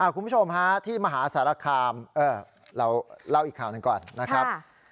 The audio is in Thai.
คุณผู้ชมฮะที่มหาสารคามเราเล่าอีกข่าวหนึ่งก่อนนะครับ